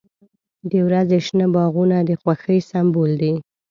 • د ورځې شنه باغونه د خوښۍ سمبول دی.